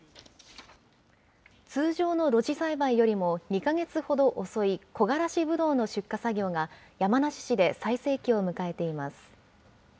通常の露地栽培よりも２か月ほど遅い、こがらしぶどうの出荷作業が、山梨市で最盛期を迎えています。